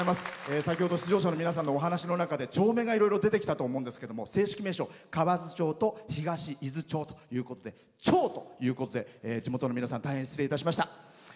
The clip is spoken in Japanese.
先ほど出場者の皆さんのお話の中で町名がいろいろ出てきたと思うんですけども正式名称、河津町と東伊豆町ということで「ちょう」ということで地元の皆さん大変、失礼いたしました。